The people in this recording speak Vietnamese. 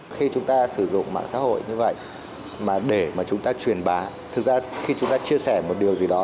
khi chúng ta sử dụng mạng xã hội như vậy mà để mà chúng ta truyền bá thực ra khi chúng ta chia sẻ một điều gì đó